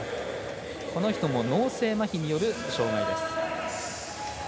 この人も脳性まひによる障がいです。